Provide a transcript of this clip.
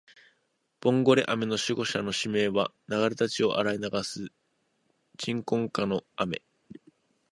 ボンゴレ雨の守護者の使命は、流れた血を洗い流す鎮魂歌の雨